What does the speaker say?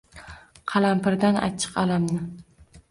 Qalampirdan achchiq alamni